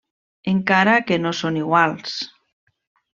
Encara que no són iguals.